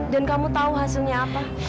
dan kamu tahu hasilnya apa